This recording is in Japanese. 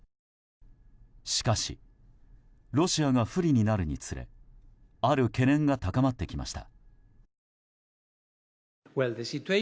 しかし、ロシアが不利になるにつれある懸念が高まってきました。